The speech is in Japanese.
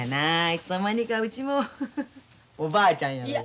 いつの間にかうちもおばあちゃんやら。